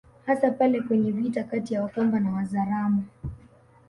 Hasa pale kwenye vita kati ya Wakamba na Wazaramo